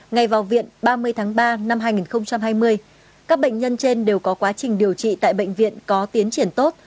ngày vào viện ba mươi tháng ba năm hai nghìn hai mươi các bệnh nhân trên đều có quá trình điều trị tại bệnh viện có tiến triển tốt